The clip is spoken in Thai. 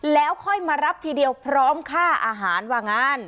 แล้วค่อยมารับทีเดียวพร้อมค่าอาหารว่างั้น